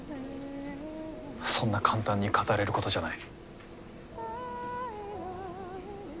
そんな簡単に語れることじゃない。